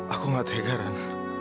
aku gak tega ran